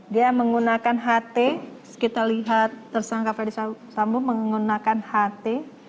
dia menggunakan ht kita lihat tersangka ferdisa sambu menggunakan ht